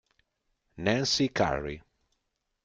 Nancy Currie